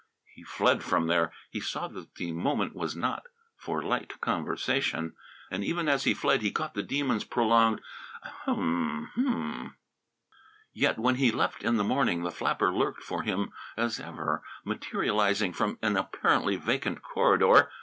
He fled from there. He saw that the moment was not for light conversation. And even as he fled he caught the Demon's prolonged "U u mmm!" Yet when he left in the morning the flapper lurked for him as ever, materializing from an apparently vacant corridor.